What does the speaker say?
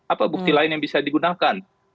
apa bukti lain yang bisa digunakan